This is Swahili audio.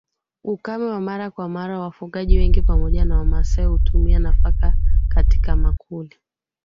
ukame wa mara kwa mara wafugaji wengi pamoja na Wamasai hutumia nafaka katika maakuli